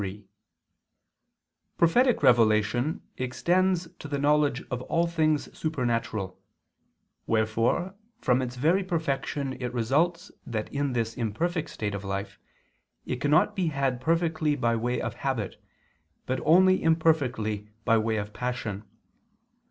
3: Prophetic revelation extends to the knowledge of all things supernatural; wherefore from its very perfection it results that in this imperfect state of life it cannot be had perfectly by way of habit, but only imperfectly by way of passion.